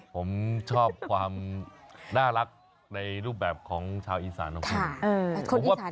ผมชอบความน่ารักในรูปแบบของชาวอีสานของคุณ